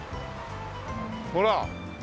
ほら！